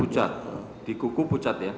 pucat di kuku pucat ya